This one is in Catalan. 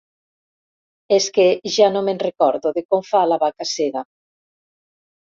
És que ja no me'n recordo de com fa, La vaca cega.